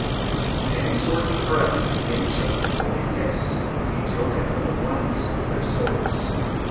He then exhorts the brethren to give each other the Holy Kiss, a token of the oneness of their souls.